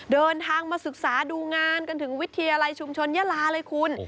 เดินทางมาศึกษาดูงานกันถึงวิทยาลัยชุมชนยาลาเลยคุณ